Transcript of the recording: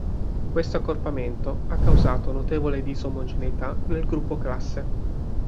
Questo accorpamento ha causato notevole disomogeneità nel gruppo classe.